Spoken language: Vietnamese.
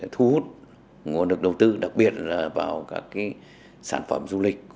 thu hút nguồn lực đầu tư đặc biệt là vào các sản phẩm du lịch